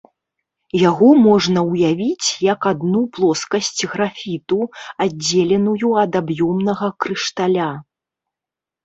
Яго можна ўявіць як адну плоскасць графіту, аддзеленую ад аб'ёмнага крышталя.